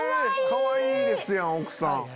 かわいいですやん奥さん。